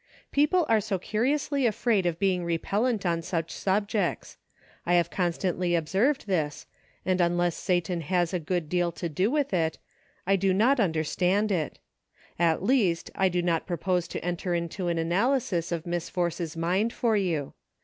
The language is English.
People are so curiously afraid of being repel lent on such subjects. I have constantly observed this, and unless Satan has a d deal to do with it, I do not understand i' ^ yt least I do not pro pose to enter into an analysis of Miss Force's mind for you.